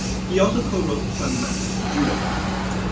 He also co wrote "Fundamentals of Judo".